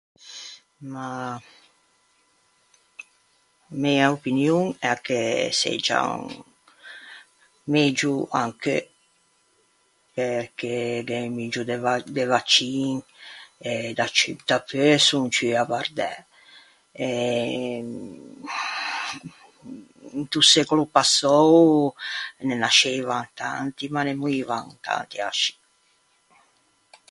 Mah... mæ opinion a l'é che seggian megio ancheu, perché gh'é un muggio de va- de vaccin, e da ciù... dapeu son ciù avvardæ. E into secolo passou ne nasceivan tanti, ma ne moivan tanti ascì.